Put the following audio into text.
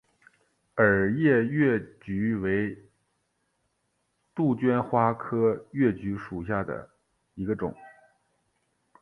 耳叶越桔为杜鹃花科越桔属下的一个种。